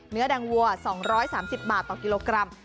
เนื้อแดงวัว๒๓๐บาทต่อกิโลกรัม